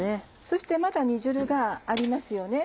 そしてまだ煮汁がありますよね。